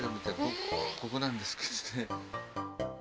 ここなんですけどね。